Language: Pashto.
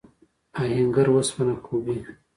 آهنګر اوسپنه کوبي.